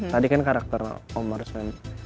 tadi kan karakter om arswen